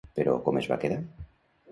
Però, com es va quedar?